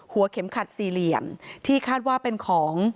หัวเข็มขัดสี่เหลี่ยมที่คาดว่าเป็นของ